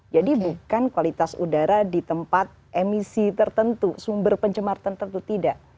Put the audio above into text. jadi bukan kualitas udara di tempat emisi tertentu sumber pencemar tertentu tidak